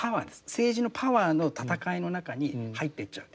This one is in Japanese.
政治のパワーの戦いの中に入っていっちゃう。